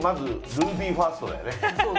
ルービーファーストだ。